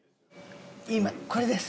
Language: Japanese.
これです。